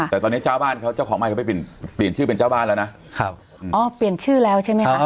แต่ตอนนี้เจ้าบ้านเจ้าของใหม่เขาไปเปลี่ยนชื่อเป็นเจ้าบ้านแล้วนะอ๋อเปลี่ยนชื่อแล้วใช่ไหมคะ